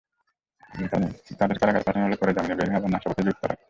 তাদের কারাগারে পাঠানো হলে পরে জামিনে বেরিয়ে আবার নাশকতায় যুক্ত হয়।